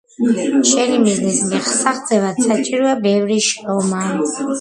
შენი მიზნის მისაღწევად საჭიროა ბევრი შრომაა..!